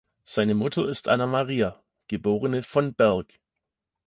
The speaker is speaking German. Seine Mutter ist Anna-Maria, geborene von Berg.